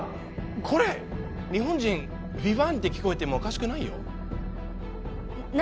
これ日本人「ヴィヴァン」って聞こえてもおかしくないよ何？